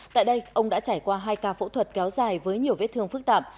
tại đây ông đã trải qua hai ca phẫu thuật kéo dài với nhiều vết thương phức tạp